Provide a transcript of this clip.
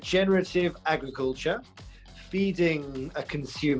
dan dalam sistem makanan